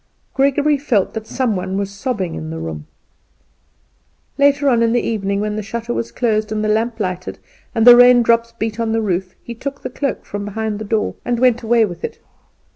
Gregory felt that some one was sobbing in the room. Late on in the evening, when the shutter was closed and the lamp lighted, and the rain drops beat on the roof, he took the cloak from behind the door and went away with it.